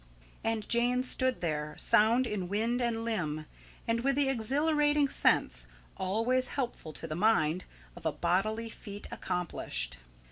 And Jane stood there, sound in wind and limb, and with the exhilarating sense, always helpful to the mind, of a bodily feat accomplished.